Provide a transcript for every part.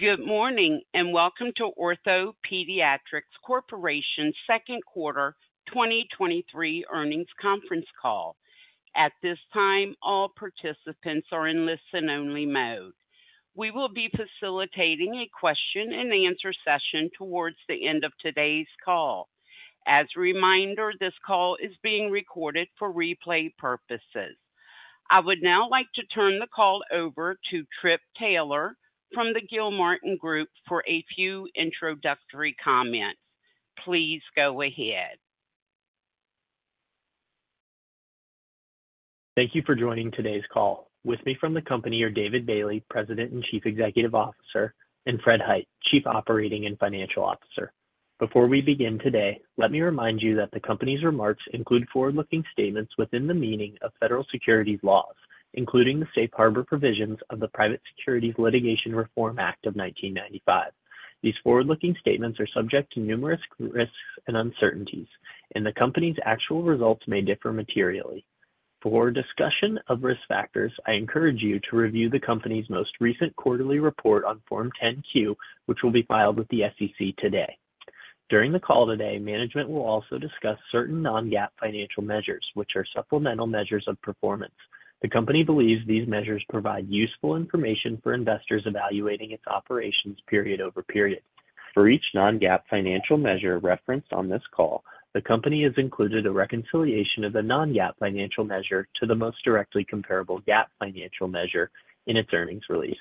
Good morning, and welcome to OrthoPediatrics Corporation's second quarter 2023 earnings conference call. At this time, all participants are in listen-only mode. We will be facilitating a question-and-answer session towards the end of today's call. As a reminder, this call is being recorded for replay purposes. I would now like to turn the call over to Tripp Taylor from the Gilmartin Group for a few introductory comments. Please go ahead. Thank you for joining today's call. With me from the company are David Bailey, President and Chief Executive Officer, and Fred Hight, Chief Operating and Financial Officer. Before we begin today, let me remind you that the company's remarks include forward-looking statements within the meaning of federal securities laws, including the Safe Harbor provisions of the Private Securities Litigation Reform Act of 1995. These forward-looking statements are subject to numerous risks and uncertainties, and the company's actual results may differ materially. For discussion of risk factors, I encourage you to review the company's most recent quarterly report on Form 10-Q, which will be filed with the SEC today. During the call today, management will also discuss certain non-GAAP financial measures, which are supplemental measures of performance. The company believes these measures provide useful information for investors evaluating its operations period over period. For each non-GAAP financial measure referenced on this call, the company has included a reconciliation of the non-GAAP financial measure to the most directly comparable GAAP financial measure in its earnings release.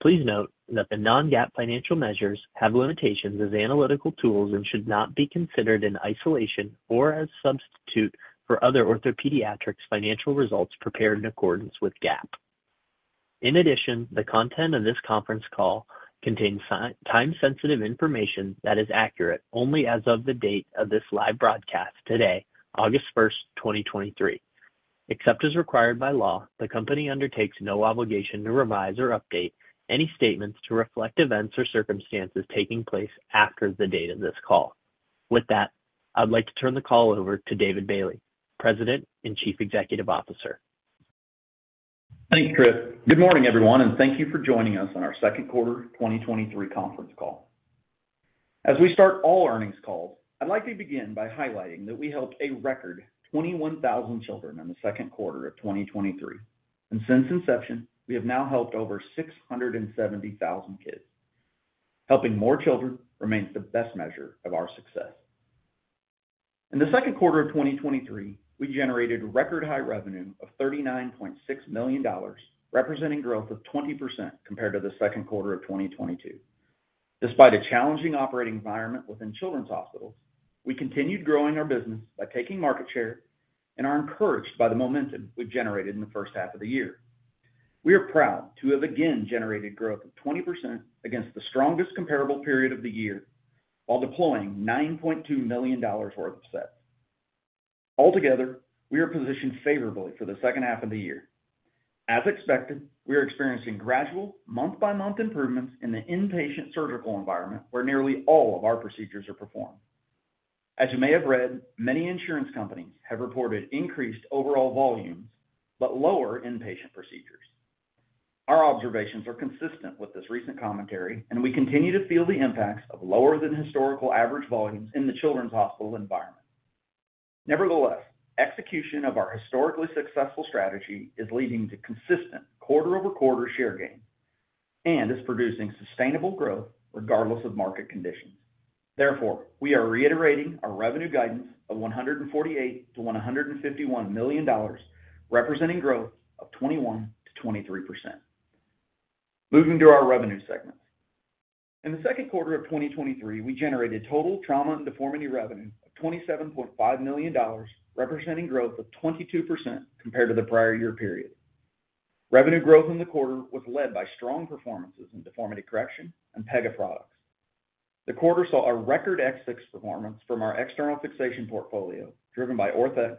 Please note that the non-GAAP financial measures have limitations as analytical tools and should not be considered in isolation or as a substitute for other OrthoPediatrics financial results prepared in accordance with GAAP. In addition, the content of this conference call contains time-sensitive information that is accurate only as of the date of this live broadcast today, August 1, 2023. Except as required by law, the company undertakes no obligation to revise or update any statements to reflect events or circumstances taking place after the date of this call. With that, I'd like to turn the call over to David Bailey, President and Chief Executive Officer. Thanks, Tripp. Good morning, everyone, and thank you for joining us on our second quarter 2023 conference call. As we start all earnings calls, I'd like to begin by highlighting that we helped a record 21,000 children in the second quarter of 2023, and since inception, we have now helped over 670,000 kids. Helping more children remains the best measure of our success. In the second quarter of 2023, we generated record-high revenue of $39.6 million, representing growth of 20% compared to the second quarter of 2022. Despite a challenging operating environment within children's hospitals, we continued growing our business by taking market share and are encouraged by the momentum we've generated in the first half of the year. We are proud to have again generated growth of 20% against the strongest comparable period of the year, while deploying $9.2 million worth of set. Altogether, we are positioned favorably for the second half of the year. As expected, we are experiencing gradual month-by-month improvements in the inpatient surgical environment, where nearly all of our procedures are performed. As you may have read, many insurance companies have reported increased overall volumes, but lower inpatient procedures. Our observations are consistent with this recent commentary, and we continue to feel the impacts of lower than historical average volumes in the children's hospital environment. Nevertheless, execution of our historically successful strategy is leading to consistent quarter-over-quarter share gain and is producing sustainable growth regardless of market conditions. We are reiterating our revenue guidance of $148 million-$151 million, representing growth of 21%-23%. Moving to our revenue segments. In the second quarter of 2023, we generated total trauma and deformity revenue of $27.5 million, representing growth of 22% compared to the prior year period. Revenue growth in the quarter was led by strong performances in deformity correction and Pega products. The quarter saw a record ex fix performance from our external fixation portfolio, driven by Orthex,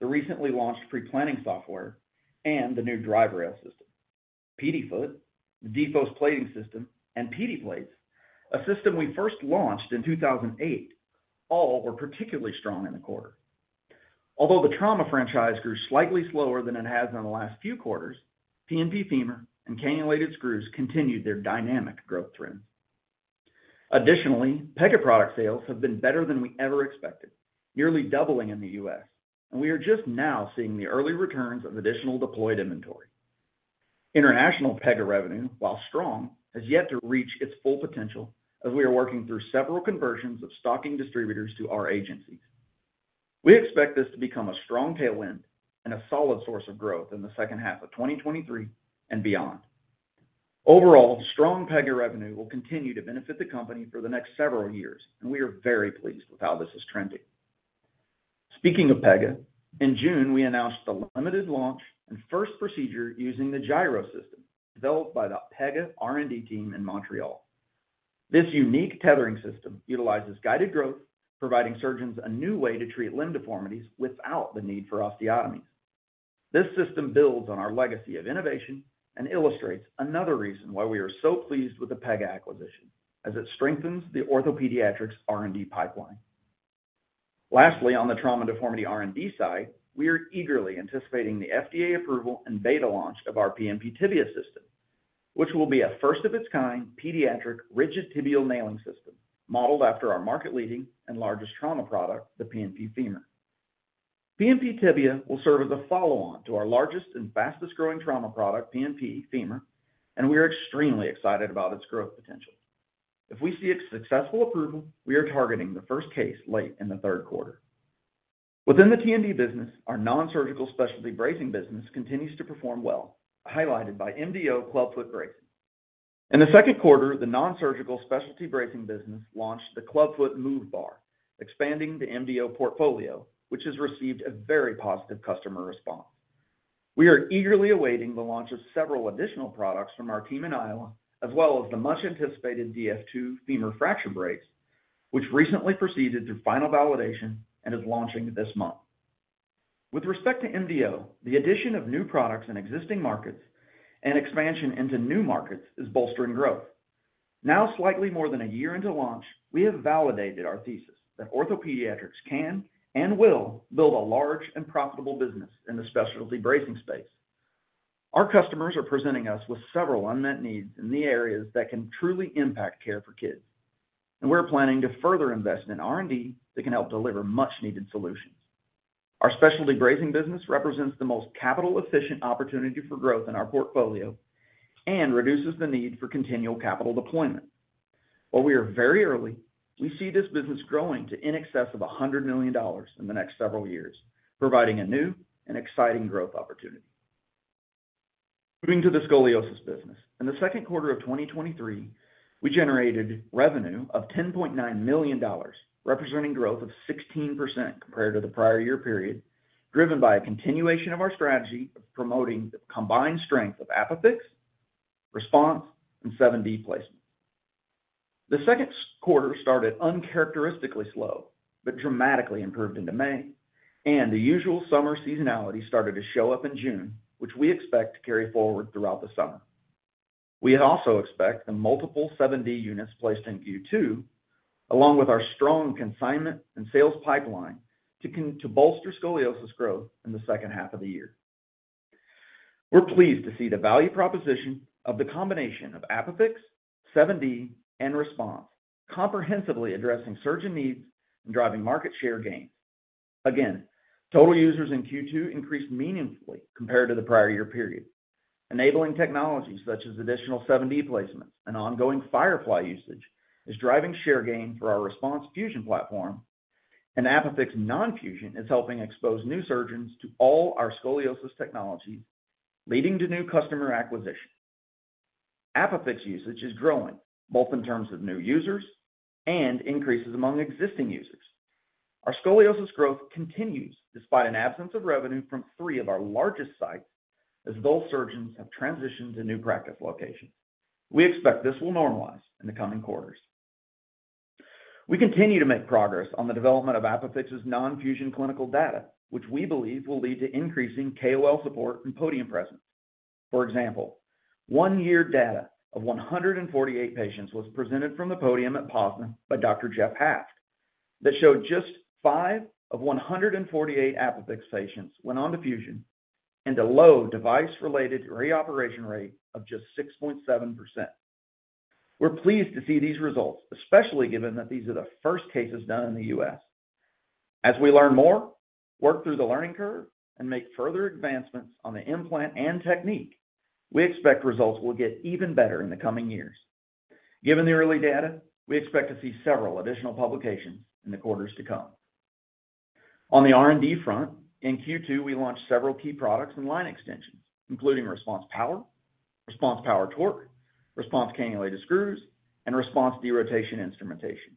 the recently launched pre-planning software, and the new DRIVE Rail system. PediFoot, the DFOS plating system, and PediPlates, a system we first launched in 2008, all were particularly strong in the quarter. Although the trauma franchise grew slightly slower than it has in the last few quarters, PNP Femur and Cannulated Screws continued their dynamic growth trend. Additionally, Pega product sales have been better than we ever expected, nearly doubling in the U.S., and we are just now seeing the early returns of additional deployed inventory. International Pega revenue, while strong, has yet to reach its full potential as we are working through several conversions of stocking distributors to our agencies. We expect this to become a strong tailwind and a solid source of growth in the second half of 2023 and beyond. Overall, strong Pega revenue will continue to benefit the company for the next several years, and we are very pleased with how this is trending. Speaking of Pega, in June, we announced the limited launch and first procedure using the GIRO system, developed by the Pega R&D team in Montreal. This unique tethering system utilizes guided growth, providing surgeons a new way to treat limb deformities without the need for osteotomies. This system builds on our legacy of innovation and illustrates another reason why we are so pleased with the Pega acquisition, as it strengthens the OrthoPediatrics R&D pipeline. Lastly, on the trauma deformity R&D side, we are eagerly anticipating the FDA approval and beta launch of our PnP tibia system, which will be a first of its kind pediatric rigid tibial nailing system, modeled after our market-leading and largest trauma product, the PnP femur. PnP tibia will serve as a follow-on to our largest and fastest growing trauma product, PnP femur, and we are extremely excited about its growth potential. If we see its successful approval, we are targeting the first case late in the third quarter. Within the T&D business, our nonsurgical specialty bracing business continues to perform well, highlighted by MDO clubfoot bracing. In the second quarter, the nonsurgical specialty bracing business launched the clubfoot MoveBar, expanding the MDO portfolio, which has received a very positive customer response. We are eagerly awaiting the launch of several additional products from our team in Iowa, as well as the much-anticipated DF2 femur fracture brace, which recently proceeded to final validation and is launching this month. With respect to MDO, the addition of new products in existing markets and expansion into new markets is bolstering growth. Now, slightly more than a year into launch, we have validated our thesis that OrthoPediatrics can and will build a large and profitable business in the specialty bracing space. Our customers are presenting us with several unmet needs in the areas that can truly impact care for kids, and we're planning to further invest in R&D that can help deliver much-needed solutions. Our specialty bracing business represents the most capital-efficient opportunity for growth in our portfolio and reduces the need for continual capital deployment. While we are very early, we see this business growing to in excess of $100 million in the next several years, providing a new and exciting growth opportunity. Moving to the scoliosis business. In the second quarter of 2023, we generated revenue of $10.9 million, representing growth of 16% compared to the prior year period, driven by a continuation of our strategy of promoting the combined strength of ApiFix, RESPONSE, and 7D placement. The second quarter started uncharacteristically slow, but dramatically improved in May, and the usual summer seasonality started to show up in June, which we expect to carry forward throughout the summer. We also expect the multiple 7D units placed in Q2, along with our strong consignment and sales pipeline, to bolster Scoliosis growth in the second half of the year. We're pleased to see the value proposition of the combination of ApiFix, 7D, and RESPONSE, comprehensively addressing surgeon needs and driving market share gains. Again, total users in Q2 increased meaningfully compared to the prior year period. Enabling technologies, such as additional 7D placements and ongoing FIREFLY usage, is driving share gain through our RESPONSE Fusion platform, and ApiFix non-fusion is helping expose new surgeons to all our Scoliosis technologies, leading to new customer acquisition. ApiFix usage is growing, both in terms of new users and increases among existing users. Our scoliosis growth continues despite an absence of revenue from three of our largest sites, as those surgeons have transitioned to new practice locations. We expect this will normalize in the coming quarters. We continue to make progress on the development of ApiFix's non-fusion clinical data, which we believe will lead to increasing KOL support and podium presence. For example, 1-year data of 148 patients was presented from the podium at POSNA by Dr. Jeff Haft, that showed just 5 of 148 ApiFix patients went on to fusion and a low device-related reoperation rate of just 6.7%. We're pleased to see these results, especially given that these are the first cases done in the U.S. As we learn more, work through the learning curve, and make further advancements on the implant and technique, we expect results will get even better in the coming years. Given the early data, we expect to see several additional publications in the quarters to come. On the R&D front, in Q2, we launched several key products and line extensions, including RESPONSE Power, RESPONSE Power Torque, RESPONSE cannulated Screws, and RESPONSE Derotation Instrumentation.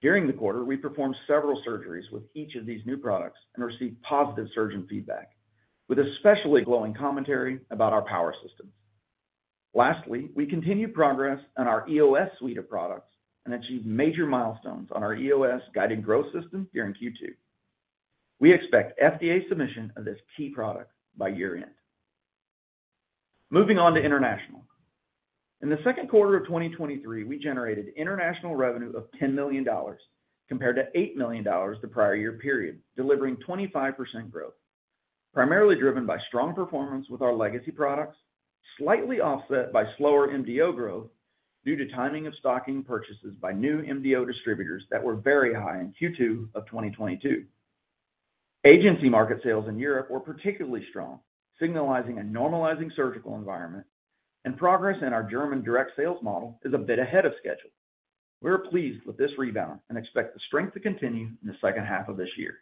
During the quarter, we performed several surgeries with each of these new products and received positive surgeon feedback, with especially glowing commentary about our power systems. Lastly, we continued progress on our EOS suite of products and achieved major milestones on our EOS guided growth system during Q2. We expect FDA submission of this key product by year-end. Moving on to international. In the second quarter of 2023, we generated international revenue of $10 million, compared to $8 million the prior year period, delivering 25% growth, primarily driven by strong performance with our legacy products, slightly offset by slower MDO growth due to timing of stocking purchases by new MDO distributors that were very high in Q2 of 2022. Agency market sales in Europe were particularly strong, signaling a normalizing surgical environment, and progress in our German direct sales model is a bit ahead of schedule. We are pleased with this rebound and expect the strength to continue in the second half of this year.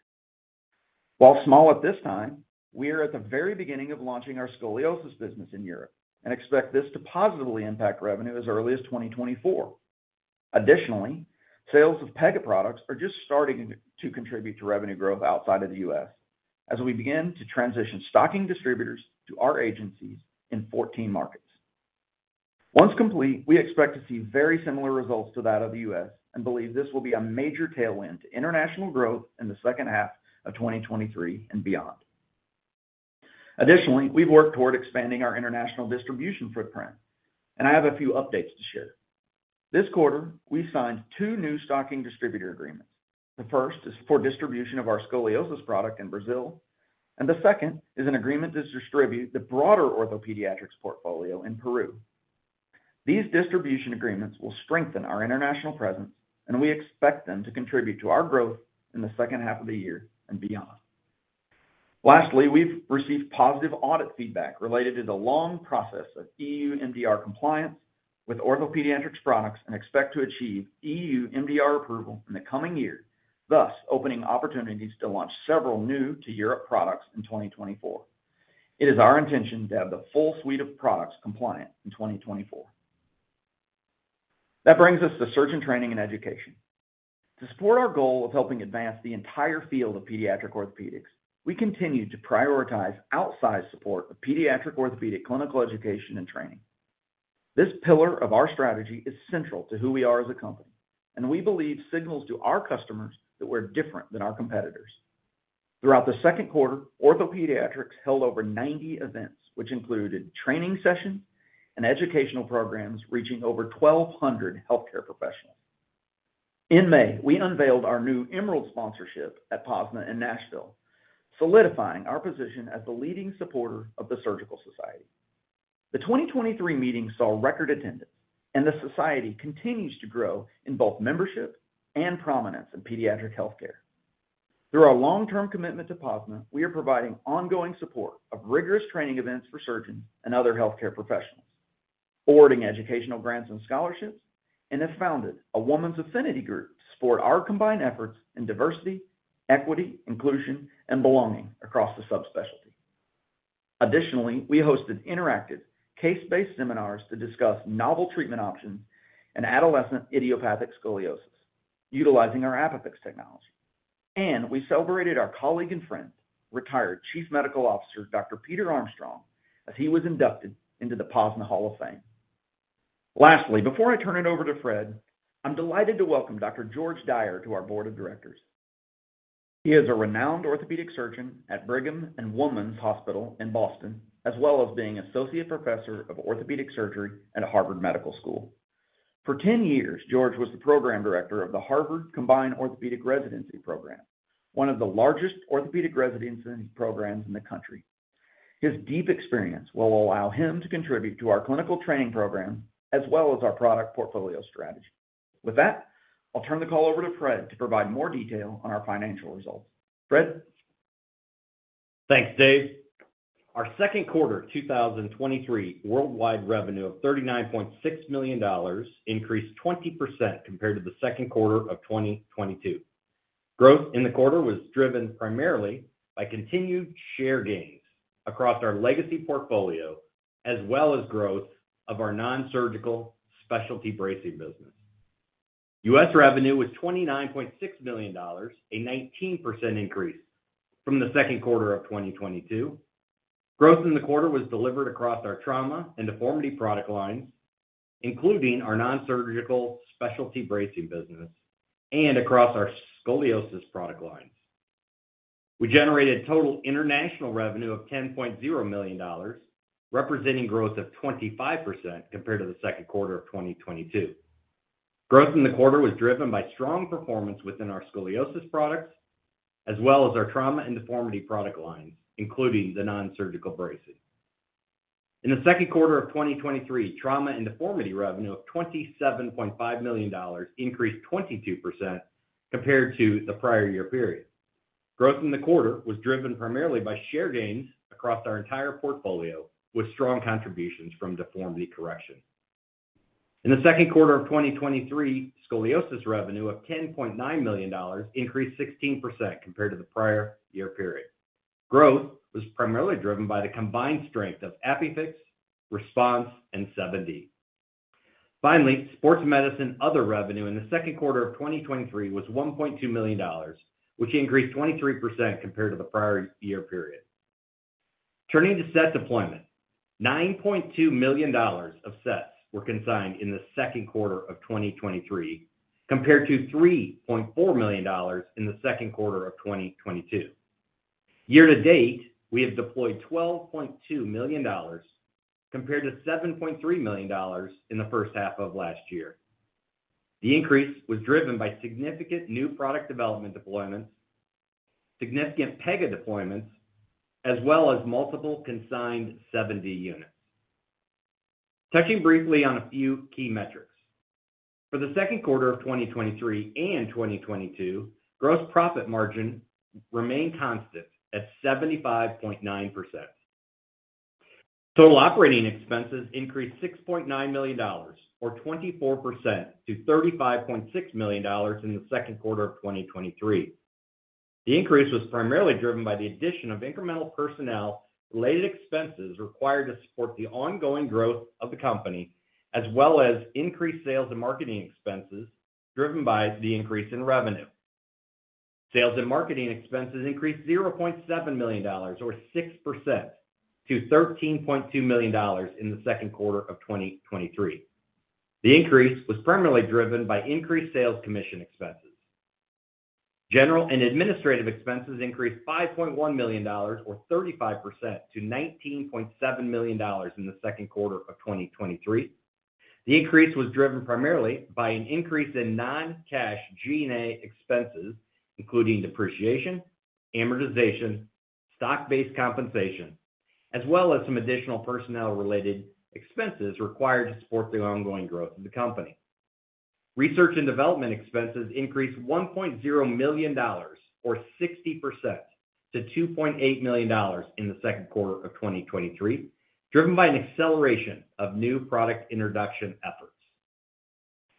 While small at this time, we are at the very beginning of launching our Scoliosis business in Europe and expect this to positively impact revenue as early as 2024. Additionally, sales of Pega products are just starting to contribute to revenue growth outside of the U.S. as we begin to transition stocking distributors to our agencies in 14 markets. Once complete, we expect to see very similar results to that of the U.S. and believe this will be a major tailwind to international growth in the second half of 2023 and beyond. Additionally, we've worked toward expanding our international distribution footprint, and I have a few updates to share. This quarter, we signed 2 new stocking distributor agreements. The first is for distribution of our scoliosis product in Brazil, and the second is an agreement to distribute the broader OrthoPediatrics portfolio in Peru. These distribution agreements will strengthen our international presence, and we expect them to contribute to our growth in the second half of the year and beyond. Lastly, we've received positive audit feedback related to the long process of EU MDR compliance with OrthoPediatrics products and expect to achieve EU MDR approval in the coming year, thus opening opportunities to launch several new-to-Europe products in 2024. It is our intention to have the full suite of products compliant in 2024. That brings us to surgeon training and education. To support our goal of helping advance the entire field of pediatric orthopedics, we continue to prioritize outsized support of pediatric orthopedic clinical education and training. This pillar of our strategy is central to who we are as a company, and we believe signals to our customers that we're different than our competitors. Throughout the second quarter, OrthoPediatrics held over 90 events, which included training sessions and educational programs reaching over 1,200 healthcare professionals. In May, we unveiled our new Emerald sponsorship at POSNA in Nashville, solidifying our position as the leading supporter of the surgical society. The 2023 meeting saw record attendance, and the society continues to grow in both membership and prominence in pediatric healthcare. Through our long-term commitment to POSNA, we are providing ongoing support of rigorous training events for surgeons and other healthcare professionals, awarding educational grants and scholarships, and have founded a women's affinity group to support our combined efforts in diversity, equity, inclusion, and belonging across the subspecialty. Additionally, we hosted interactive, case-based seminars to discuss novel treatment options in adolescent idiopathic scoliosis, utilizing our ApiFix technology. We celebrated our colleague and friend, retired Chief Medical Officer, Dr. Peter Armstrong, as he was inducted into the POSNA Hall of Fame. Lastly, before I turn it over to Fred, I'm delighted to welcome Dr. George Dyer to our board of directors. He is a renowned orthopedic surgeon at Brigham and Women's Hospital in Boston, as well as being Associate Professor of Orthopedic Surgery at Harvard Medical School. For 10 years, George was the program director of the Harvard Combined Orthopaedic Residency Program, one of the largest orthopedic residency programs in the country. His deep experience will allow him to contribute to our clinical training program, as well as our product portfolio strategy. With that, I'll turn the call over to Fred to provide more detail on our financial results. Fred? Thanks, Dave. Our second quarter 2023 worldwide revenue of $39.6 million increased 20% compared to the second quarter of 2022. Growth in the quarter was driven primarily by continued share gains across our legacy portfolio, as well as growth of our nonsurgical specialty bracing business. U.S. revenue was $29.6 million, a 19% increase from the second quarter of 2022. Growth in the quarter was delivered across our trauma and deformity product lines, including our nonsurgical specialty bracing business and across our Scoliosis product lines. We generated total international revenue of $10.0 million, representing growth of 25% compared to the second quarter of 2022. Growth in the quarter was driven by strong performance within our Scoliosis products, as well as our trauma and deformity product lines, including the nonsurgical bracing. In the second quarter of 2023, trauma and deformity revenue of $27.5 million increased 22% compared to the prior year period. Growth in the quarter was driven primarily by share gains across our entire portfolio, with strong contributions from deformity correction. In the second quarter of 2023, scoliosis revenue of $10.9 million increased 16% compared to the prior year period. Growth was primarily driven by the combined strength of ApiFix, RESPONSE, and 7D. Finally, Sports Medicine/Other revenue in the second quarter of 2023 was $1.2 million, which increased 23% compared to the prior year period. Turning to set deployment, $9.2 million of sets were consigned in the second quarter of 2023, compared to $3.4 million in the second quarter of 2022. Year to date, we have deployed $12.2 million compared to $7.3 million in the first half of last year. The increase was driven by significant new product development deployments, significant Pega deployments, as well as multiple consigned 7D units. Touching briefly on a few key metrics. For the second quarter of 2023 and 2022, gross profit margin remained constant at 75.9%. Total operating expenses increased $6.9 million or 24% to $35.6 million in the second quarter of 2023. The increase was primarily driven by the addition of incremental personnel-related expenses required to support the ongoing growth of the company, as well as increased sales and marketing expenses driven by the increase in revenue. Sales and marketing expenses increased $0.7 million, or 6% to $13.2 million in the 2Q 2023. The increase was primarily driven by increased sales commission expenses.... General and administrative expenses increased $5.1 million, or 35% to $19.7 million in the 2Q 2023. The increase was driven primarily by an increase in non-cash G&A expenses, including depreciation, amortization, stock-based compensation, as well as some additional personnel related expenses required to support the ongoing growth of the company. Research and development expenses increased $1.0 million or 60% to $2.8 million in the 2Q 2023, driven by an acceleration of new product introduction efforts.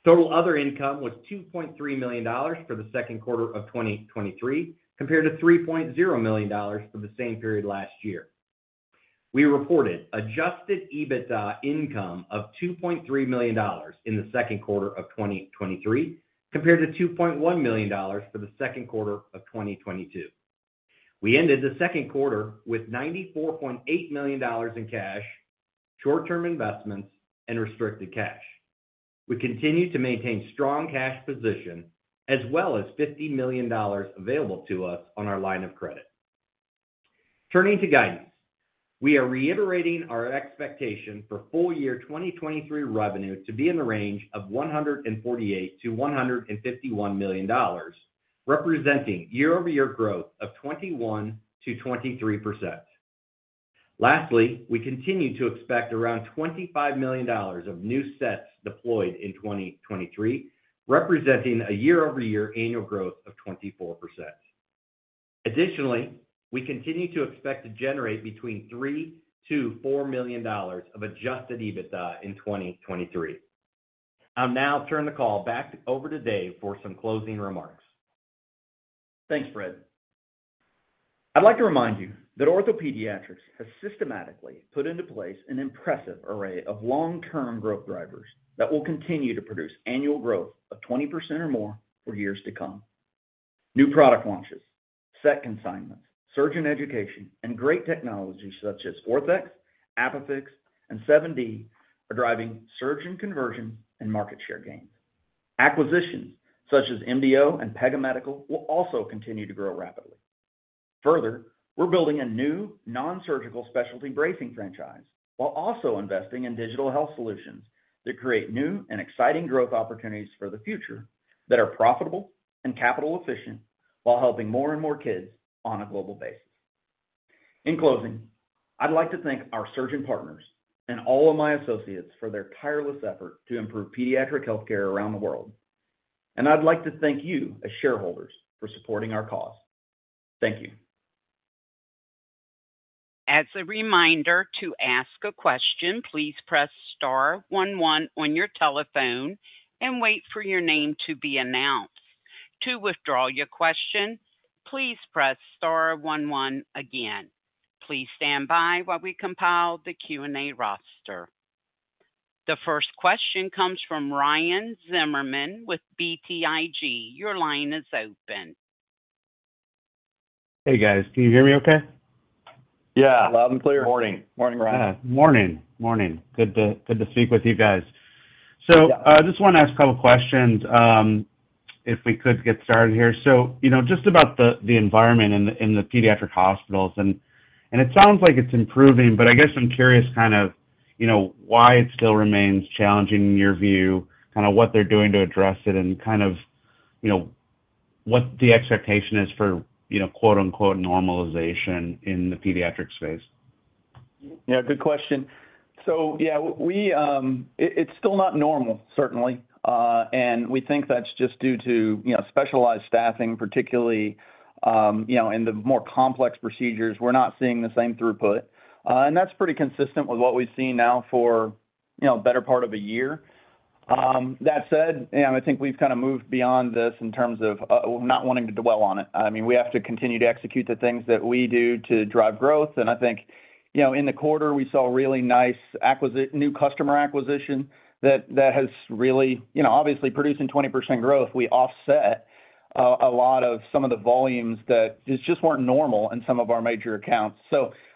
Total other income was $2.3 million for the second quarter of 2023, compared to $3.0 million for the same period last year. We reported Adjusted EBITDA income of $2.3 million in the second quarter of 2023, compared to $2.1 million for the second quarter of 2022. We ended the second quarter with $94.8 million in cash, short-term investments, and restricted cash. We continue to maintain strong cash position, as well as $50 million available to us on our line of credit. Turning to guidance, we are reiterating our expectation for full year 2023 revenue to be in the range of $148 million-$151 million, representing year-over-year growth of 21%-23%. Lastly, we continue to expect around $25 million of new sets deployed in 2023, representing a year-over-year annual growth of 24%. Additionally, we continue to expect to generate between $3 million-$4 million of Adjusted EBITDA in 2023. I'll now turn the call back over to Dave for some closing remarks. Thanks, Fred. I'd like to remind you that OrthoPediatrics has systematically put into place an impressive array of long-term growth drivers that will continue to produce annual growth of 20% or more for years to come. New product launches, set consignments, surgeon education, and great technologies such as Orthex, ApiFix, and 7D are driving surgeon conversion and market share gains. Acquisitions such as MDO and Pega Medical will also continue to grow rapidly. Further, we're building a new non-surgical specialty bracing franchise, while also investing in digital health solutions that create new and exciting growth opportunities for the future that are profitable and capital efficient, while helping more and more kids on a global basis. In closing, I'd like to thank our surgeon partners and all of my associates for their tireless effort to improve pediatric healthcare around the world. I'd like to thank you, as shareholders, for supporting our cause. Thank you. As a reminder, to ask a question, please press star one one on your telephone and wait for your name to be announced. To withdraw your question, please press star one one again. Please stand by while we compile the Q&A roster. The first question comes from Ryan Zimmerman with BTIG. Your line is open. Hey, guys. Can you hear me okay? Yeah, loud and clear. Morning. Morning, Ryan. Morning, morning. Good to, good to speak with you guys. Just want to ask a couple of questions, if we could get started here. You know, just about the, the environment in the, in the pediatric hospitals, and, and it sounds like it's improving, but I guess I'm curious kind of, you know, why it still remains challenging in your view, kind of what they're doing to address it, and kind of, you know, what the expectation is for, you know, quote, unquote, "normalization" in the pediatric space? Yeah, good question. Yeah, we, it's still not normal, certainly. We think that's just due to, you know, specialized staffing, particularly, you know, in the more complex procedures, we're not seeing the same throughput. That's pretty consistent with what we've seen now for, you know, a better part of a year. That said, I think we've kind of moved beyond this in terms of not wanting to dwell on it. I mean, we have to continue to execute the things that we do to drive growth. I think, you know, in the quarter, we saw really nice new customer acquisition that, that has really, you know, obviously, producing 20% growth, we offset a lot of some of the volumes that just, just weren't normal in some of our major accounts.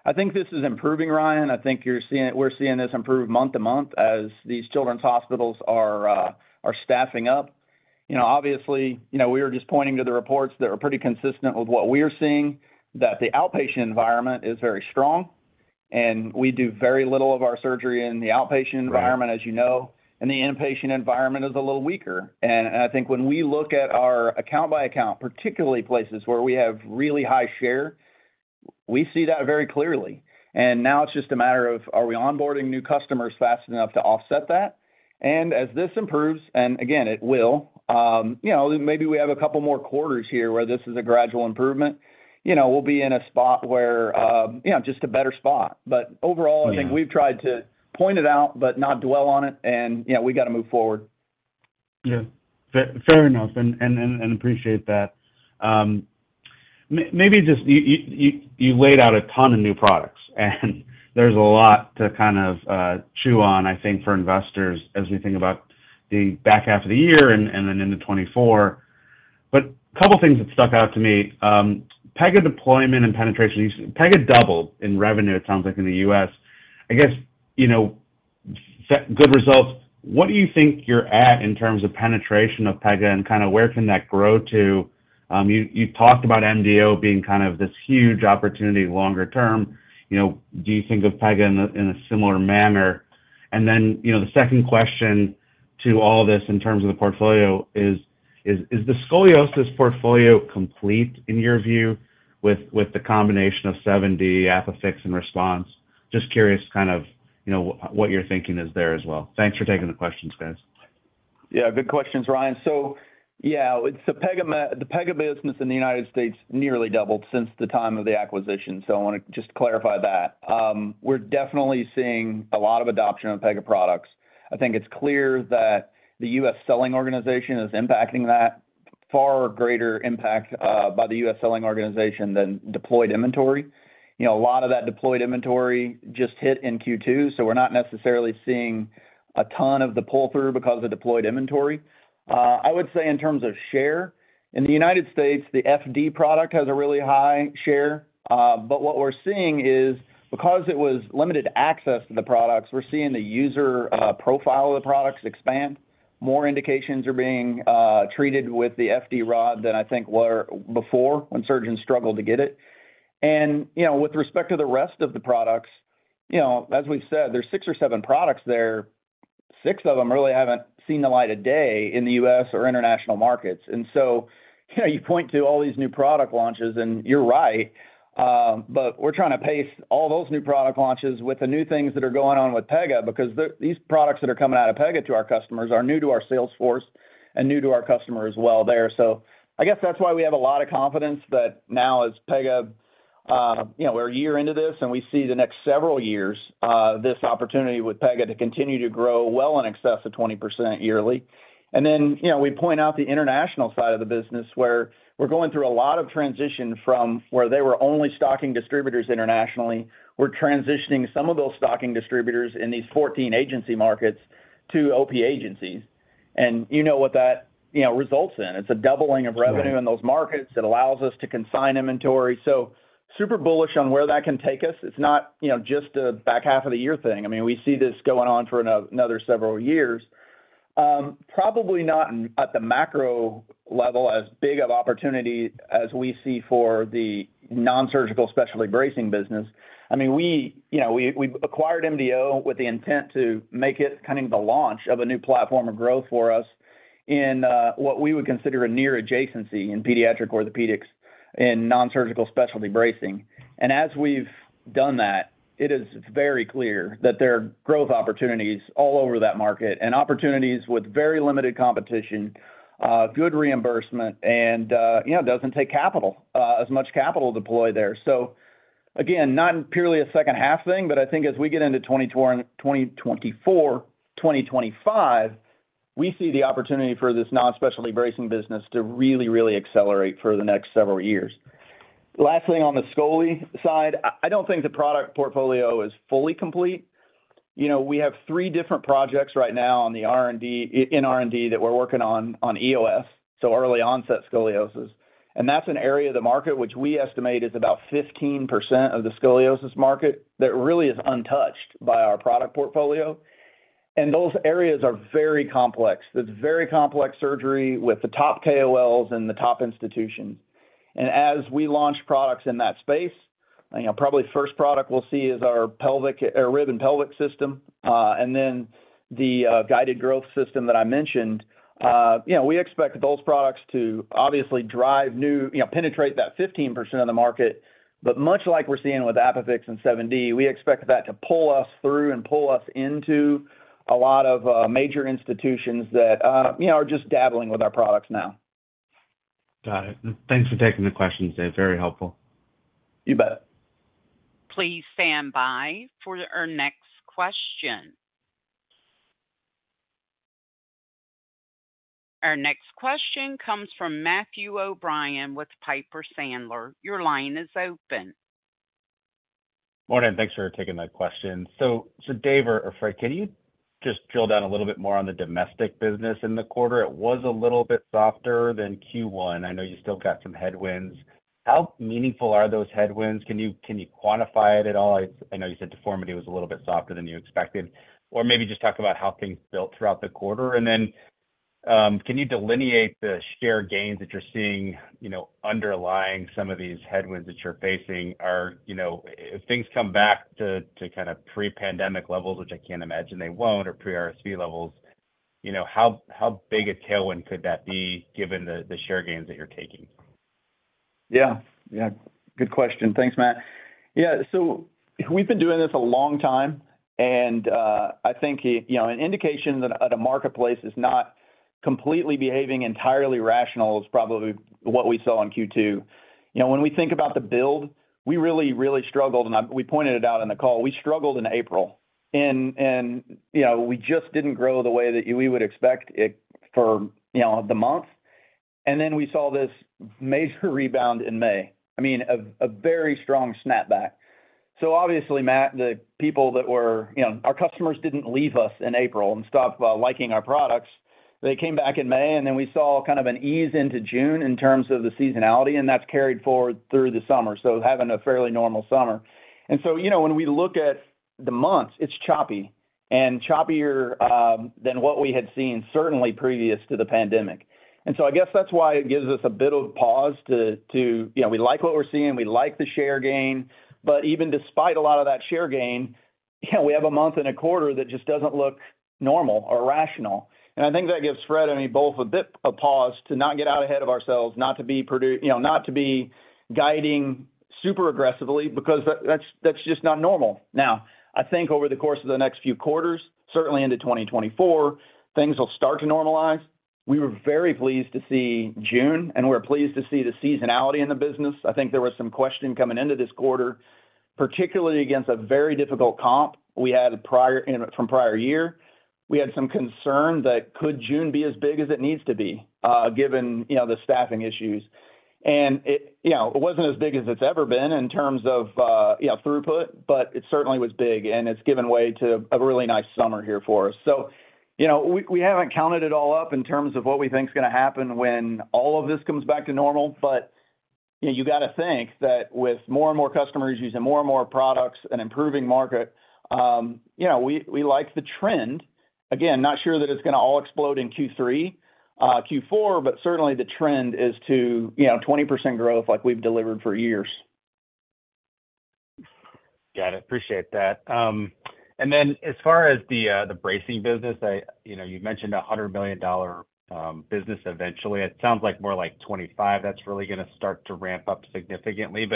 I think this is improving, Ryan. I think we're seeing this improve month to month as these children's hospitals are staffing up. You know, obviously, you know, we were just pointing to the reports that are pretty consistent with what we're seeing, that the outpatient environment is very strong, and we do very little of our surgery in the outpatient environment. Right... as you know, and the inpatient environment is a little weaker. I think when we look at our account by account, particularly places where we have really high share, we see that very clearly. Now it's just a matter of, are we onboarding new customers fast enough to offset that? As this improves, and again, it will, you know, maybe we have a couple more quarters here where this is a gradual improvement, you know, we'll be in a spot where, you know, just a better spot. Overall. Yeah... I think we've tried to point it out, but not dwell on it. You know, we got to move forward. Yeah. Fair, fair enough, and appreciate that. Maybe just you laid out a ton of new products, and there's a lot to kind of chew on, I think, for investors as we think about the back half of the year and then into 2024. A couple of things that stuck out to me, Pega deployment and penetration. Pega doubled in revenue, it sounds like, in the U.S. I guess, you know, good results. What do you think you're at in terms of penetration of Pega and kind of where can that grow to? You talked about MDO being kind of this huge opportunity longer term. You know, do you think of Pega in a similar manner? Then, you know, the second question to all of this in terms of the portfolio is the scoliosis portfolio complete in your view, with, with the combination of 7D, ApiFix, and RESPONSE? Just curious, kind of, you know, what you're thinking is there as well. Thanks for taking the questions, guys. Yeah, good questions, Ryan. Yeah, it's the Pega business in the United States nearly doubled since the time of the acquisition, so I want to just clarify that. We're definitely seeing a lot of adoption of Pega products. I think it's clear that the US selling organization is impacting that, far greater impact by the US selling organization than deployed inventory. You know, a lot of that deployed inventory just hit in Q2, so we're not necessarily seeing a ton of the pull-through because of the deployed inventory. I would say in terms of share, in the United States, the FD product has a really high share. But what we're seeing is, because it was limited access to the products, we're seeing the user profile of the products expand. More indications are being treated with the FD Rod than I think were before, when surgeons struggled to get it. You know, with respect to the rest of the products, you know, as we've said, there's six or seven products there. Six of them really haven't seen the light of day in the U.S. or international markets. You know, you point to all these new product launches, and you're right, but we're trying to pace all those new product launches with the new things that are going on with Pega, because these products that are coming out of Pega to our customers are new to our sales force and new to our customer as well there. I guess that's why we have a lot of confidence that now as Pega, you know, we're a year into this, and we see the next several years, this opportunity with Pega to continue to grow well in excess of 20% yearly. Then, you know, we point out the international side of the business, where we're going through a lot of transition from where they were only stocking distributors internationally. We're transitioning some of those stocking distributors in these 14 agency markets to OP agencies. You know what that, you know, results in. It's a doubling of revenue. Right... in those markets. It allows us to consign inventory. Super bullish on where that can take us. It's not, you know, just a back half of the year thing. I mean, we see this going on for another several years. Probably not at the macro level, as big of opportunity as we see for the nonsurgical specialty bracing business. I mean, we, you know, we, we acquired MDO with the intent to make it kind of the launch of a new platform of growth for us in what we would consider a near adjacency in pediatric orthopedics and nonsurgical specialty bracing. As we've done that, it is very clear that there are growth opportunities all over that market and opportunities with very limited competition, good reimbursement, and, you know, doesn't take capital as much capital to deploy there. Again, not purely a second-half thing, but I think as we get into 2024, 2025, we see the opportunity for this non-specialty bracing business to really, really accelerate for the next several years. Lastly, on the Scoliosis side, I, I don't think the product portfolio is fully complete. You know, we have three different projects right now on the R&D, in R&D that we're working on, on EOS, so early onset scoliosis. That's an area of the market which we estimate is about 15% of the Scoliosis market that really is untouched by our product portfolio, and those areas are very complex. It's very complex surgery with the top KOLs and the top institutions. As we launch products in that space, you know, probably first product we'll see is our pelvic Rib and Pelvic Fixation System, and then the guided growth system that I mentioned. You know, we expect those products to obviously drive new, you know, penetrate that 15% of the market. But much like we're seeing with ApiFix and 7D, we expect that to pull us through and pull us into a lot of major institutions that, you know, are just dabbling with our products now. Got it. Thanks for taking the question, Dave. Very helpful. You bet. Please stand by for our next question. Our next question comes from Matthew O'Brien with Piper Sandler. Your line is open. Morning. Thanks for taking my question. Dave or Fred, can you just drill down a little bit more on the domestic business in the quarter? It was a little bit softer than Q1. I know you still got some headwinds. How meaningful are those headwinds? Can you quantify it at all? I know you said deformity was a little bit softer than you expected. Maybe just talk about how things built throughout the quarter. Can you delineate the share gains that you're seeing, you know, underlying some of these headwinds that you're facing? You know, if things come back to, to kind of pre-pandemic levels, which I can't imagine they won't, or pre-RSV levels, you know, how, how big a tailwind could that be given the share gains that you're taking? Yeah, yeah. Good question. Thanks, Matt. Yeah, we've been doing this a long time, and I think, you know, an indication that a marketplace is not completely behaving entirely rational is probably what we saw in Q2. You know, when we think about the build, we really, really struggled, and we pointed it out on the call. We struggled in April, and, you know, we just didn't grow the way that we would expect it for, you know, the month. Then we saw this major rebound in May, I mean, a very strong snapback. Obviously, Matt, the people that were You know, our customers didn't leave us in April and stop liking our products. They came back in May, and then we saw kind of an ease into June in terms of the seasonality, and that's carried forward through the summer, so having a fairly normal summer. You know, when we look at the months, it's choppy, and choppier than what we had seen certainly previous to the pandemic. I guess that's why it gives us a bit of pause. You know, we like what we're seeing, we like the share gain, but even despite a lot of that share gain, you know, we have a month and a quarter that just doesn't look normal or rational. I think that gives Fred and me both a bit of pause to not get out ahead of ourselves, not to be, you know, not to be guiding super aggressively because that, that's, that's just not normal. I think over the course of the next few quarters, certainly into 2024, things will start to normalize. We were very pleased to see June, we're pleased to see the seasonality in the business. I think there was some question coming into this quarter, particularly against a very difficult comp we had prior, from prior year. We had some concern that could June be as big as it needs to be, given, you know, the staffing issues. It, you know, it wasn't as big as it's ever been in terms of, you know, throughput, but it certainly was big, and it's given way to a really nice summer here for us. You know, we, we haven't counted it all up in terms of what we think is gonna happen when all of this comes back to normal. You know, you got to think that with more and more customers using more and more products and improving market, you know, we, we like the trend. Again, not sure that it's gonna all explode in Q3, Q4, but certainly the trend is to, you know, 20% growth like we've delivered for years. Got it. Appreciate that. Then as far as the bracing business, you know, you mentioned a $100 million business eventually. It sounds like more like 25, that's really gonna start to ramp up significantly.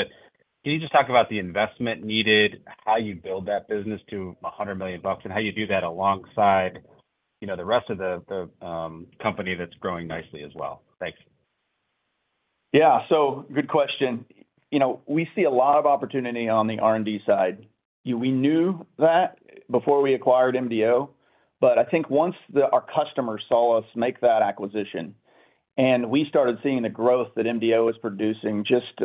Can you just talk about the investment needed, how you build that business to $100 million, and how you do that alongside, you know, the rest of the company that's growing nicely as well? Thanks. Yeah, good question. You know, we see a lot of opportunity on the R&D side. We knew that before we acquired MDO, I think once our customers saw us make that acquisition, and we started seeing the growth that MDO was producing just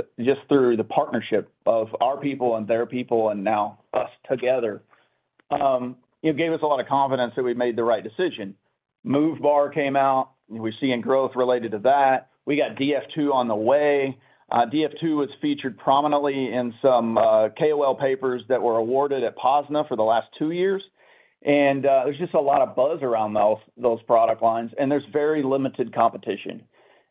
through the partnership of our people and their people and now us together, it gave us a lot of confidence that we made the right decision. MoveBar came out, we're seeing growth related to that. We got DF2 on the way. DF2 was featured prominently in some KOL papers that were awarded at POSNA for the last 2 years. There's just a lot of buzz around those, those product lines, and there's very limited competition.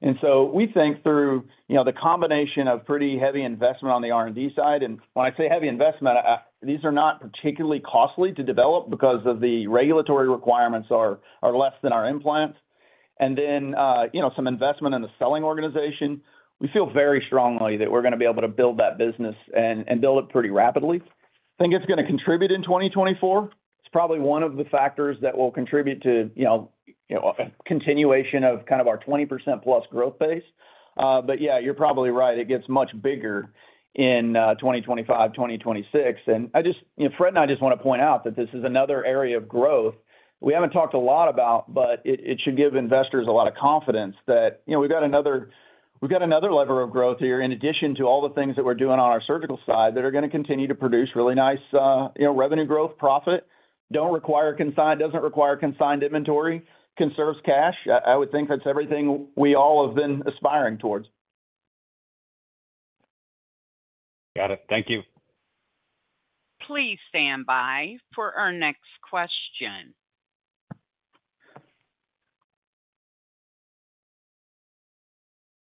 We think through, you know, the combination of pretty heavy investment on the R&D side, and when I say heavy investment, these are not particularly costly to develop because of the regulatory requirements are less than our implants. Then, you know, some investment in the selling organization. We feel very strongly that we're gonna be able to build that business and build it pretty rapidly. I think it's gonna contribute in 2024. It's probably one of the factors that will contribute to, you know, continuation of kind of our 20% plus growth pace. But yeah, you're probably right, it gets much bigger in 2025, 2026. I just, you know, Fred and I just want to point out that this is another area of growth we haven't talked a lot about, but it, it should give investors a lot of confidence that, you know, we've got another, we've got another lever of growth here, in addition to all the things that we're doing on our surgical side, that are gonna continue to produce really nice, you know, revenue growth, profit. Doesn't require consigned inventory, conserves cash. I, I would think that's everything we all have been aspiring towards. Got it. Thank you. Please stand by for our next question.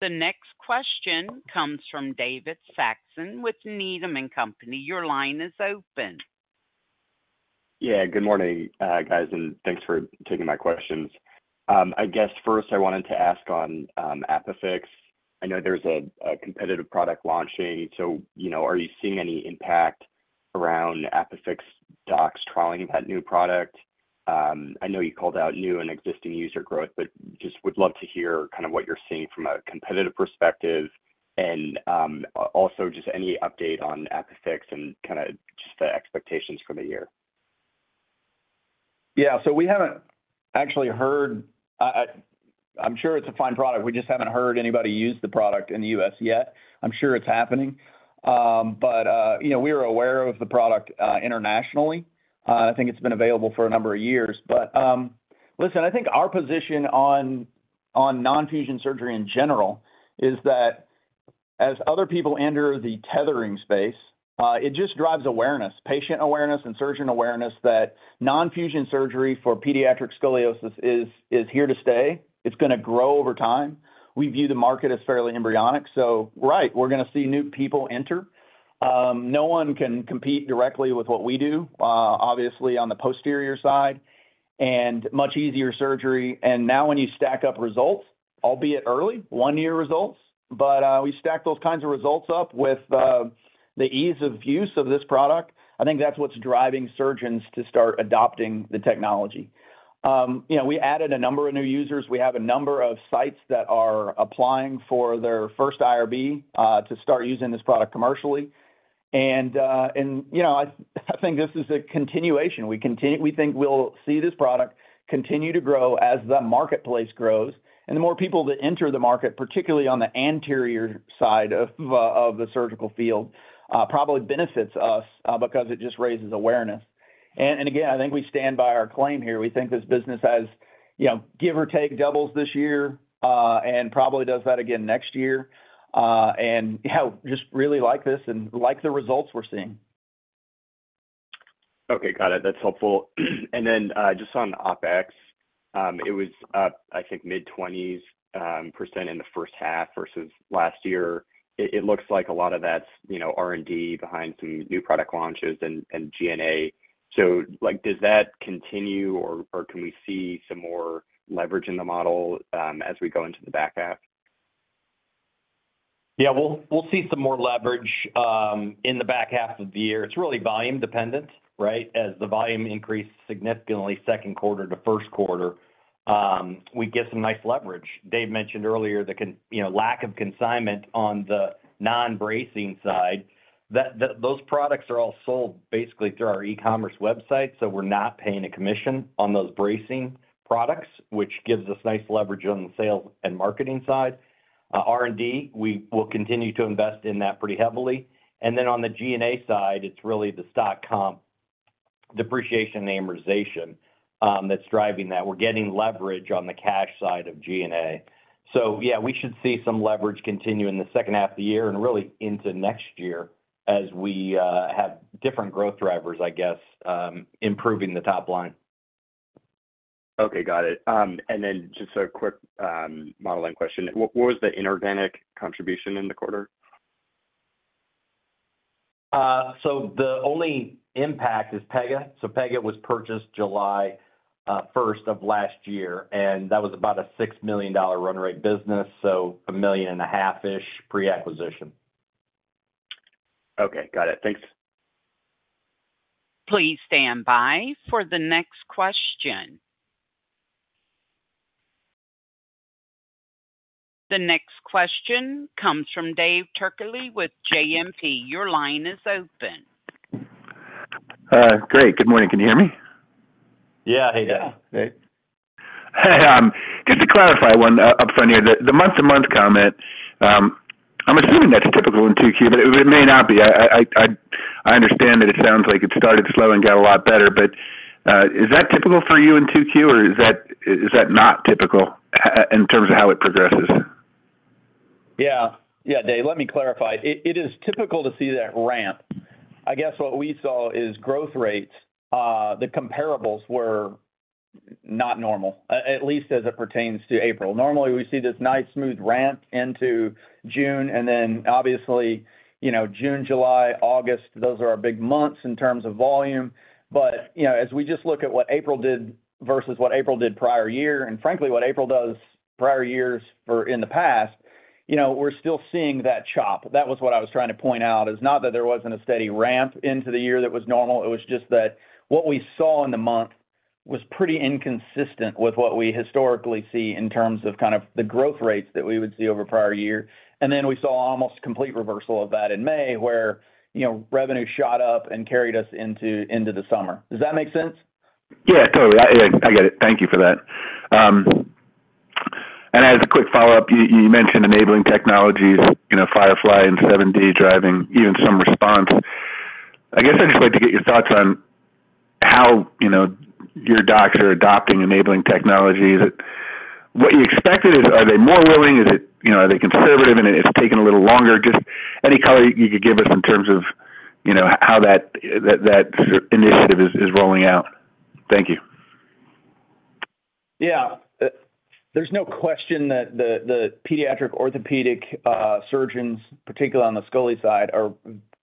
The next question comes from David Saxon with Needham & Company. Your line is open. Yeah, good morning, guys, and thanks for taking my questions. I guess first I wanted to ask on ApiFix. I know there's a competitive product launching, so, you know, are you seeing any impact around ApiFix docs trialing that new product? I know you called out new and existing user growth, but just would love to hear kind of what you're seeing from a competitive perspective and also just any update on ApiFix and kind of just the expectations for the year. Yeah. We haven't actually heard. I'm sure it's a fine product. We just haven't heard anybody use the product in the U.S. yet. I'm sure it's happening. You know, we are aware of the product internationally. I think it's been available for a number of years. Listen, I think our position on nonfusion surgery in general is that as other people enter the tethering space, it just drives awareness, patient awareness and surgeon awareness, that nonfusion surgery for pediatric scoliosis is here to stay. It's gonna grow over time. We view the market as fairly embryonic, right, we're gonna see new people enter. No one can compete directly with what we do, obviously, on the posterior side, much easier surgery. Now when you stack up results, albeit early, 1-year results, but, we stack those kinds of results up with the ease of use of this product. I think that's what's driving surgeons to start adopting the technology. You know, we added a number of new users. We have a number of sites that are applying for their first IRB to start using this product commercially. You know, I, I think this is a continuation. We think we'll see this product continue to grow as the marketplace grows. The more people that enter the market, particularly on the anterior side of the surgical field, probably benefits us, because it just raises awareness. Again, I think we stand by our claim here. We think this business has, you know, give or take, doubles this year, and probably does that again next year. Yeah, we just really like this and like the results we're seeing. Okay, got it. That's helpful. Then, just on the OpEx, it was up, I think, mid-twenties, % in the first half versus last year. It, it looks like a lot of that's, you know, R&D behind some new product launches and, and G&A. Like, does that continue, or, or can we see some more leverage in the model, as we go into the back half? Yeah, we'll see some more leverage in the back half of the year. It's really volume dependent, right? As the volume increased significantly, second quarter to first quarter, we get some nice leverage. Dave mentioned earlier, you know, lack of consignment on the non-bracing side, those products are all sold basically through our e-commerce website, so we're not paying a commission on those bracing products, which gives us nice leverage on the sales and marketing side. R&D, we will continue to invest in that pretty heavily. On the G&A side, it's really the stock comp depreciation and amortization that's driving that. We're getting leverage on the cash side of G&A. Yeah, we should see some leverage continue in the second half of the year and really into next year as we have different growth drivers, I guess, improving the top line. Okay, got it. Then just a quick model line question. What, what was the inorganic contribution in the quarter? The only impact is Pega. Pega was purchased July first of last year, and that was about a $6 million run rate business, so $1.5 million-ish pre-acquisition. Okay, got it. Thanks. Please stand by for the next question. The next question comes from Dave Turkaly with JMP. Your line is open. Great. Good morning. Can you hear me? Yeah. Hey, Dave. Just to clarify one up front here, the month-to-month comment, I'm assuming that's typical in Q2, but it may not be. I understand that it sounds like it started slow and got a lot better, is that typical for you in Q2, or is that not typical in terms of how it progresses? Yeah. Yeah, Dave, let me clarify. It, it is typical to see that ramp. I guess what we saw is growth rates, the comparables were not normal, at, at least as it pertains to April. Normally, we see this nice, smooth ramp into June, and then obviously, you know, June, July, August, those are our big months in terms of volume. As we just look at what April did versus what April did prior year, and frankly, what April does prior years for in the past, you know, we're still seeing that chop. That was what I was trying to point out, is not that there wasn't a steady ramp into the year that was normal, it was just that what we saw in the month was pretty inconsistent with what we historically see in terms of kind of the growth rates that we would see over prior year. We saw almost complete reversal of that in May, where, you know, revenue shot up and carried us into, into the summer. Does that make sense? Yeah, totally. I, I get it. Thank you for that. As a quick follow-up, you, you mentioned enabling technologies, you know, FIREFLY and 7D, driving even some RESPONSE. I guess I'd just like to get your thoughts on how, you know, your docs are adopting enabling technologies. What you expected, are they more willing? You know, are they conservative, and it, it's taking a little longer? Just any color you could give us in terms of, you know, how that, that, that initiative is, is rolling out. Thank you. Yeah. There's no question that the pediatric orthopedic surgeons, particularly on the Scoliosis side, are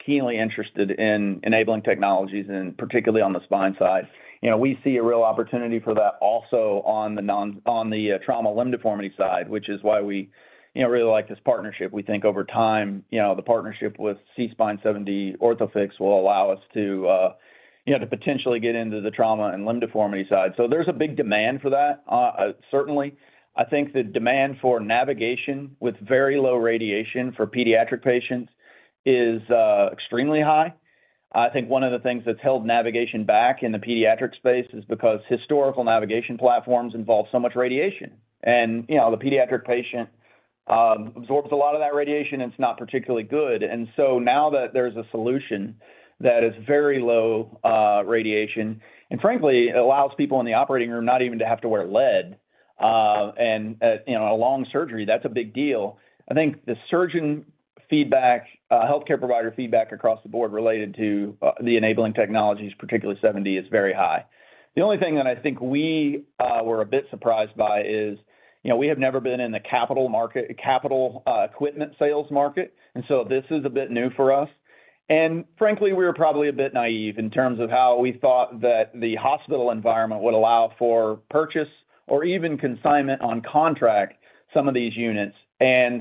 keenly interested in enabling technologies, particularly on the spine side. You know, we see a real opportunity for that also on the trauma limb deformity side, which is why we, you know, really like this partnership. We think over time, you know, the partnership with SeaSpine, 7D, Orthofix will allow us to, you know, to potentially get into the trauma and limb deformity side. There's a big demand for that, certainly. I think the demand for navigation with very low radiation for pediatric patients is extremely high. I think one of the things that's held navigation back in the pediatric space is because historical navigation platforms involve so much radiation. You know, the pediatric patient absorbs a lot of that radiation, and it's not particularly good. Now that there's a solution that is very low radiation, and frankly, it allows people in the operating room not even to have to wear lead, and you know, a long surgery, that's a big deal. I think the surgeon feedback, healthcare provider feedback across the board related to the enabling technologies, particularly 7D, is very high. The only thing that I think we were a bit surprised by is, you know, we have never been in the capital equipment sales market, this is a bit new for us. Frankly, we were probably a bit naive in terms of how we thought that the hospital environment would allow for purchase or even consignment on contract, some of these units.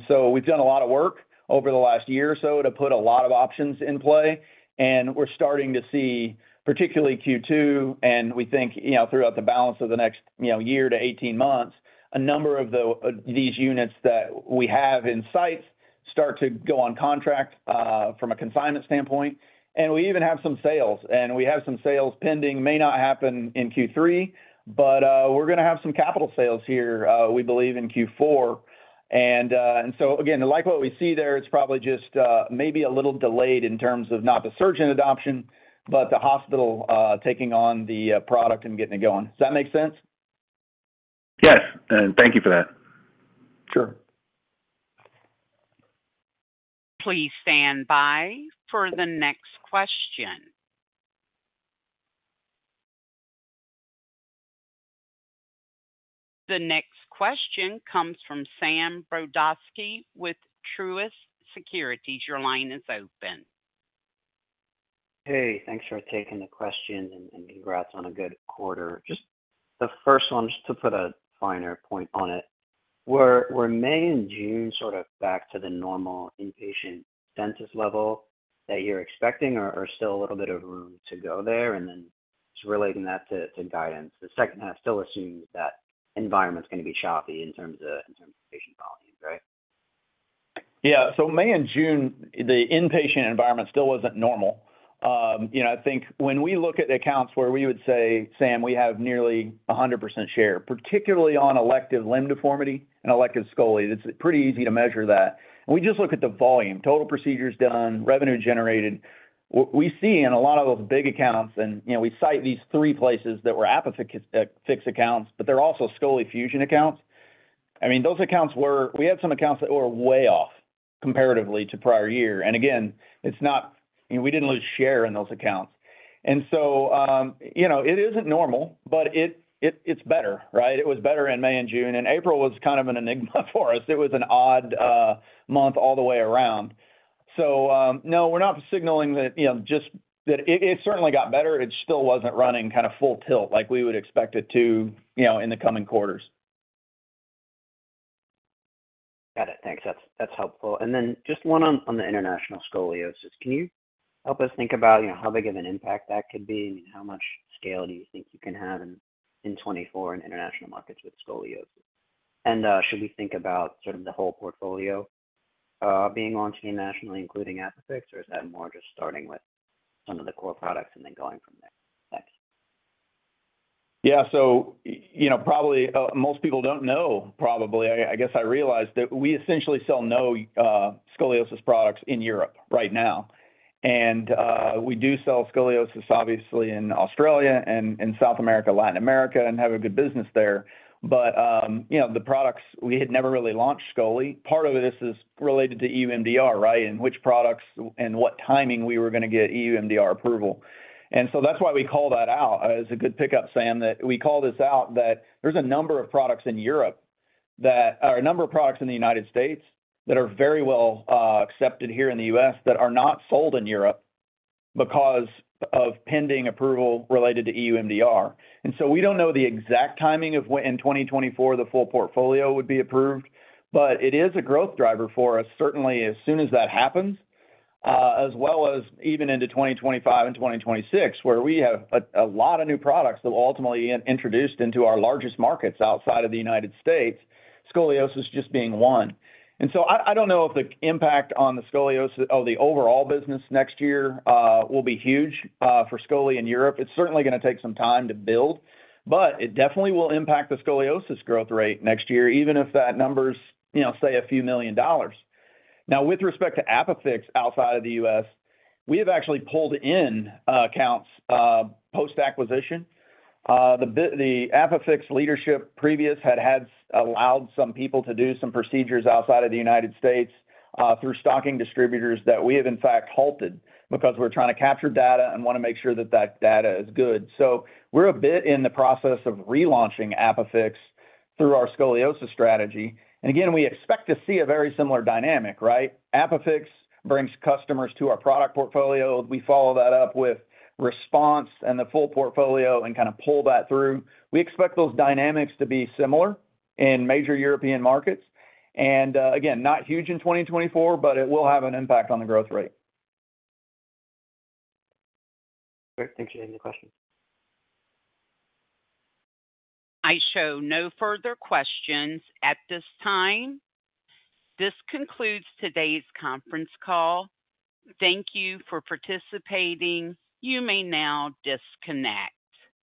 So we've done a lot of work over the last year or so to put a lot of options in play, and we're starting to see, particularly Q2, and we think, you know, throughout the balance of the next, you know, year to 18 months, a number of these units that we have in sites start to go on contract from a consignment standpoint, and we even have some sales. We have some sales pending, may not happen in Q3, but we're gonna have some capital sales here, we believe in Q4. And so again, like what we see there, it's probably just, maybe a little delayed in terms of not the surgeon adoption, but the hospital, taking on the, product and getting it going. Does that make sense? Yes, and thank you for that. Sure. Please stand by for the next question. The next question comes from Samuel Brodowski with Truist Securities. Your line is open. Hey, thanks for taking the question, and congrats on a good quarter. Just the first one, just to put a finer point on it, were May and June sort of back to the normal inpatient census level that you're expecting, or still a little bit of room to go there? Then just relating that to guidance. The second half still assumes that environment's gonna be choppy in terms of patient volumes, right? Yeah. So May and June, the inpatient environment still wasn't normal. you know, I think when we look at the accounts where we would say, Sam, we have nearly 100% share, particularly on elective limb deformity and elective scoliosis, it's pretty easy to measure that. We just look at the volume, total procedures done, revenue generated. What we see in a lot of those big accounts, and, you know, we cite these 3 places that were ApiFix, fix accounts, but they're also scoliFusion accounts. I mean, those accounts were, we had some accounts that were way off comparatively to prior year. Again, it's not, you know, we didn't lose share in those accounts. So, you know, it isn't normal, but it, it, it's better, right? It was better in May and June, and April was kind of an enigma for us. It was an odd month all the way around. No, we're not signaling that, you know, just that it certainly got better. It still wasn't running kind of full tilt like we would expect it to, you know, in the coming quarters. Got it. Thanks. That's, that's helpful. Then just one on, on the international scoliosis. Can you help us think about, you know, how big of an impact that could be, and how much scale do you think you can have in 2024 in international markets with scoliosis? Should we think about sort of the whole portfolio being launched internationally, including ApiFix, or is that more just starting with some of the core products and then going from there? Thanks. Yeah, so, you know, probably, most people don't know, probably, I guess I realized that we essentially sell no scoliosis products in Europe right now. We do sell scoliosis obviously in Australia and in South America, Latin America, and have a good business there. The products, we had never really launched Scoli. Part of this is related to EU MDR, right? Which products and what timing we were gonna get EU MDR approval. So that's why we call that out. As a good pickup, Sam, that we call this out, that there's a number of products in Europe or a number of products in the United States that are very well accepted here in the U.S. that are not sold in Europe because of pending approval related to EU MDR. We don't know the exact timing of when in 2024 the full portfolio would be approved, but it is a growth driver for us, certainly as soon as that happens, as well as even into 2025 and 2026, where we have a lot of new products that will ultimately get introduced into our largest markets outside of the U.S., scoliosis just being one. I, I don't know if the impact on the scoliosis or the overall business next year, will be huge for Scoli in Europe. It's certainly gonna take some time to build, but it definitely will impact the scoliosis growth rate next year, even if that number's, you know, say, a few million dollars. Now, with respect to ApiFix outside of the U.S., we have actually pulled in accounts post-acquisition. The bi- the ApiFix leadership previous had had allowed some people to do some procedures outside of the United States, through stocking distributors that we have, in fact, halted because we're trying to capture data and wanna make sure that that data is good. We're a bit in the process of relaunching ApiFix through our scoliosis strategy. Again, we expect to see a very similar dynamic, right? ApiFix brings customers to our product portfolio. We follow that up with RESPONSE and the full portfolio and kind of pull that through. We expect those dynamics to be similar in major European markets. Again, not huge in 2024, but it will have an impact on the growth rate. Great. Thanks for taking the question. I show no further questions at this time. This concludes today's conference call. Thank you for participating. You may now disconnect.